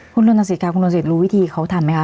คุณโดนสิทธิ์ครับคุณโดนสิทธิ์รู้วิธีเขาทำไหมคะ